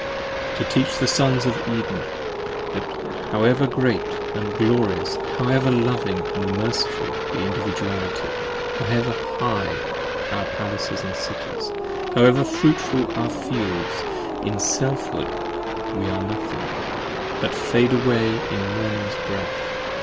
To teach the Sons 10 Of Eden, that however great and glorious, however loving And merciful the Individuality; however high Our palaces and cities, and however fruitful are our fields In Selfhood, we are nothing: but fade away in morning's breath.